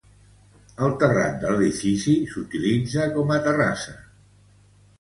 El terrat de l'edifici s'utilitza com a terrassa.